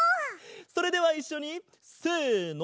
それではいっしょにせの。